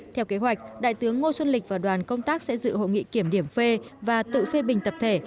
theo kế hoạch đại tướng ngô xuân lịch và đoàn công tác sẽ dự hội nghị kiểm điểm phê và tự phê bình tập thể